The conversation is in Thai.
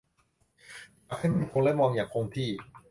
จับให้มั่นคงและมองอย่างคงที่